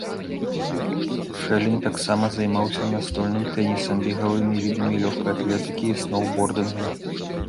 Шэлін таксама займаўся настольным тэннісам, бегавымі відамі лёгкай атлетыкі і сноўбордынгам.